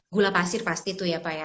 gula pasir pasti itu ya pak ya